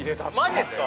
◆マジっすか？